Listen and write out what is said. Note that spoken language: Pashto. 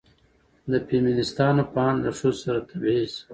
د فيمينستانو په اند له ښځو سره تبعيض